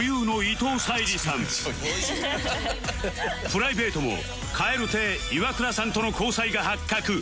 プライベートも蛙亭イワクラさんとの交際が発覚